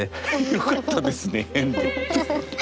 よかったですね変で？